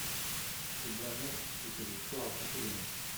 Ce dernier était le plus rapproché de moi.